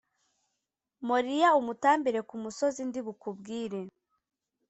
Moriya umutambire ku musozi ndi bukubwire